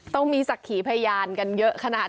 ต้องมีสักขีพยานกันเยอะขนาด